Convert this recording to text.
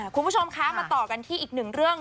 คุณผู้ชมคะมาต่อกันที่อีกหนึ่งเรื่อง